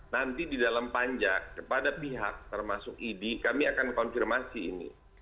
nanti di dalam panja kepada pihak termasuk idi kami akan konfirmasi ini